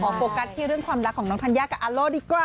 โฟกัสที่เรื่องความรักของน้องธัญญากับอาโล่ดีกว่า